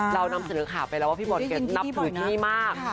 เรานำเสนอข่าวไปแล้วว่าพี่บอลแกนับถือที่นี่มาก